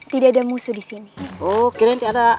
tidak ada musuh disini